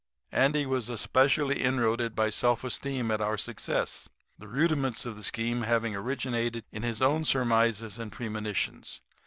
"Andy was especial inroaded by self esteem at our success, the rudiments of the scheme having originated in his own surmises and premonitions.